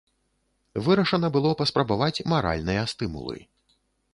Вырашана было паспрабаваць маральныя стымулы.